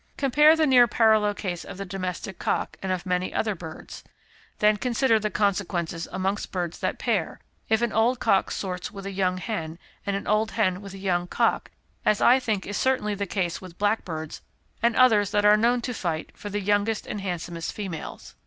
"Compare the nearly parallel case of the domestic cock and of many other birds. Then consider the consequences amongst birds that pair, if an old cock sorts with a young hen and an old hen with a young cock, as I think is certainly the case with blackbirds and others that are known to fight for the youngest and handsomest females.